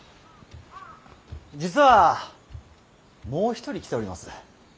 実はもう一人来ております。